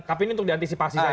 tapi ini untuk diantisipasi saja